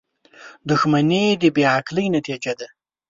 • دښمني د بې عقلۍ نتیجه ده.